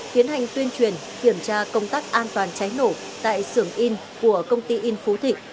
tiến hành tuyên truyền kiểm tra công tác an toàn cháy nổ tại xưởng yn của công ty yn phú thị